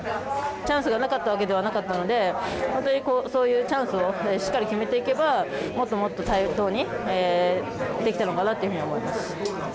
チャンスがなかったわけではなかったのでそういうチャンスをしっかり決めていけばもっともっと対等にできたのかなと思います。